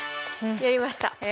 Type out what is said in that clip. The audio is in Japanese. やりました。